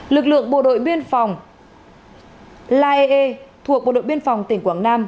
lực lượng bộ đội biên phòng lae thuộc bộ đội biên phòng tỉnh quảng nam